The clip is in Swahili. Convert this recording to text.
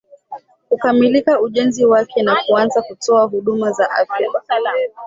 kukamilika ujenzi wake na kuanza kutoa huduma za afya